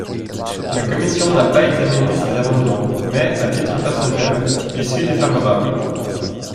La commission n’a pas examiné ces amendements mais, à titre personnel, j’y suis défavorable.